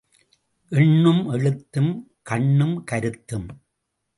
எண்ணும் எழுத்தும் கண்ணும் கருத்தும்.